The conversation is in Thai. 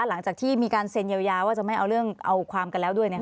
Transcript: หลังจากที่มีการเซ็นเยียวยาว่าจะไม่เอาเรื่องเอาความกันแล้วด้วย